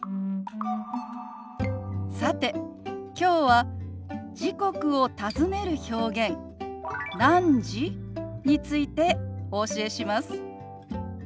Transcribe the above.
さてきょうは時刻を尋ねる表現「何時？」についてお教えします。